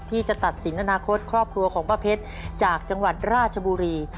ที่จะตัดสินอนาคตครอบครัวของป้าเพชรจากจังหวัดราชบุรี